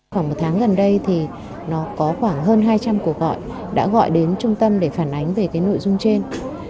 khoảng một tháng gần đây thì nó có khoảng hơn hai trăm linh cuộc gọi đã gọi đến trung tâm để phản ánh về cái nội dung trên